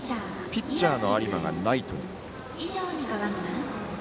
ピッチャーの有馬がライト。